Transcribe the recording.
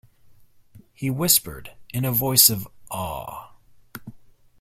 He whispered in a voice of awe.